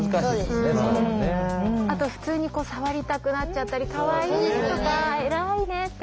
あと普通にこう触りたくなっちゃったりかわいいとか偉いねって。